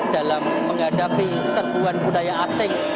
dalam menghadapi serbuan budaya asing